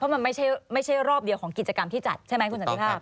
มันไม่ใช่รอบเดียวของกิจกรรมที่จัดใช่ไหมคุณสันติภาพ